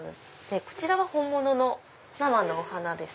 こちらは本物の生のお花です。